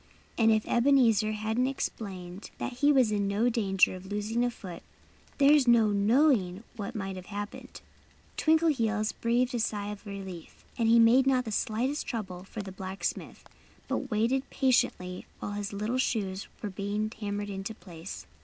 And if Ebenezer hadn't explained that he was in no danger of losing a foot there's no knowing what might have happened. Twinkleheels breathed a sigh of relief; and he made not the slightest trouble for the blacksmith, but waited patiently while his little shoes were being hammered into shape.